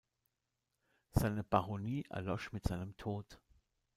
Seine Baronie erlosch mit seinem Tod.